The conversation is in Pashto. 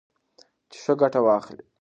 چې ښه ګټه واخلئ.